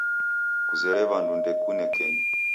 Kuzere w'andu ndekune kenyu.